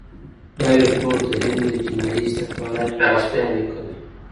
دا رپوټ د هند د جنايي استخباراتو مرستیال لیکلی.